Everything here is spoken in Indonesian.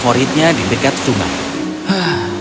favoritnya di dekat sungai